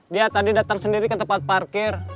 dia tadi datang sendiri ke tempat parkir